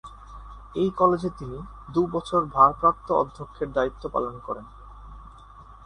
এই কলেজে তিনি দু' বছর ভারপ্রাপ্ত অধ্যক্ষের দায়িত্ব পালন করেন।